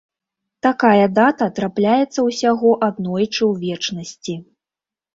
Такая дата трапляецца ўсяго аднойчы ў вечнасці.